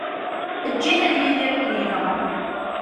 Eǧǧ-it ad yidir akken yebɣa.